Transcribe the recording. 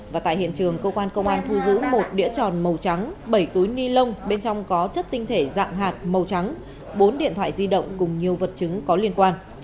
và tại hiện trường cơ quan công an thu giữ một đĩa tròn màu trắng bảy túi ni lông bên trong có chất tinh thể dạng hạt màu trắng bốn điện thoại di động cùng nhiều vật chứng có liên quan